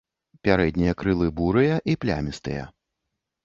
Пярэднія крылы бурыя і плямістыя.